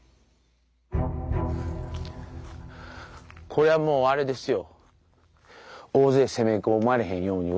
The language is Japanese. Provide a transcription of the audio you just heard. これはもうあれですよ。